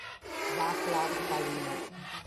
Václav Kalina